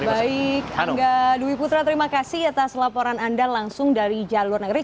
baik angga dwi putra terima kasih atas laporan anda langsung dari jalur negeri